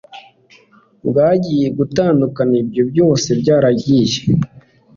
bwagiye gutandukana ibyo byose byarangiye